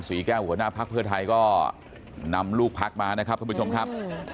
สวีแก้วหัวหน้าภาคเพื่อไทยก็นำลูกภาคมานะครับคุณผู้ชมครับ